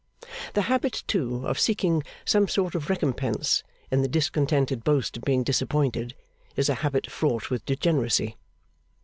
The habit, too, of seeking some sort of recompense in the discontented boast of being disappointed, is a habit fraught with degeneracy.